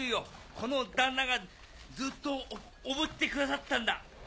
このだんながずっとおぶってくださったんだ